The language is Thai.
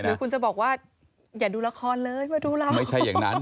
หรือคุณจะบอกว่าอย่าดูละครเลยว่าดูเราไม่ใช่อย่างนั้น